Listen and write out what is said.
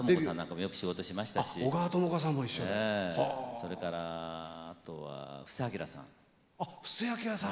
それからあとは布施明さん。